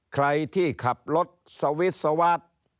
ใครที่ขับรถสวิสวาส